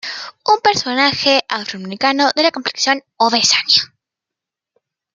Es un personaje afroamericano de complexión obesa.